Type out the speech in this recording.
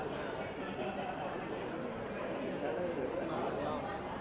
ก็คือแบบว่า